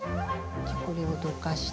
じゃあこれをどかして。